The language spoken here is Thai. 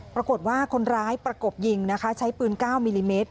ปรากฏว่าคนร้ายประกบยิงนะคะใช้ปืน๙มิลลิเมตร